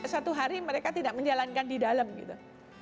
satu hari mereka tidak menjalankan di dalam gitu